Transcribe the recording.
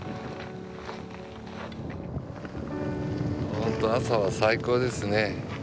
本当朝は最高ですね。